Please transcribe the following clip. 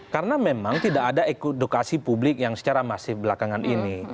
karena memang tidak ada edukasi publik yang secara masih belakangan ini